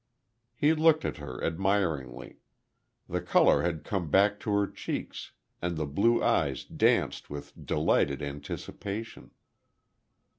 He looked at her admiringly. The colour had come back to her cheeks and the blue eyes danced with delighted anticipation.